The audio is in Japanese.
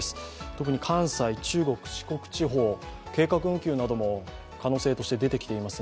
特に関西、中国、四国地方、計画運休の可能性なども出ています